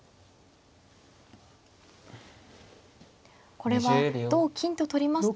これは同金と取りますと。